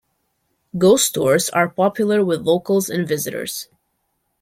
Ghost tours are popular with locals and visitors.